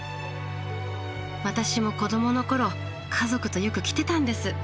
私も子どもの頃家族とよく来てたんです。